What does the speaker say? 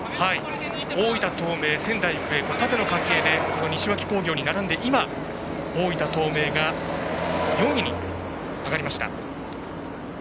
大分東明、仙台育英は縦の関係で西脇工業に並んで大分東明が４位に上がりました。